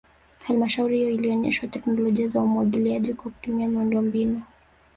Halmashauri hiyo ilionesha teknolojia za umwagiliaji kwa kutumia miundombinu